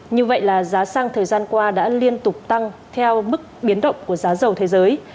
như vậy là giá xăng thời gian qua đã liên tục tăng theo mức biến động của giá dầu thế giới